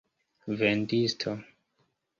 vendisto